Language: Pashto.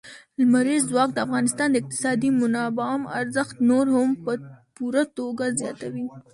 لمریز ځواک د افغانستان د اقتصادي منابعم ارزښت نور هم په پوره توګه زیاتوي.